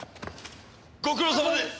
ご苦労さまです！